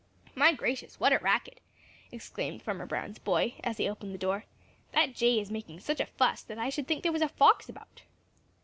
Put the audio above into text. "My gracious, what a racket!" exclaimed Farmer Brown's boy, as he opened the door. "That Jay is making such a fuss that I should think there was a fox about."